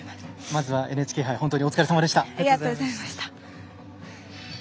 まずはＮＨＫ杯本当にお疲れさまでした。